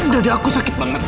dada aku sakit banget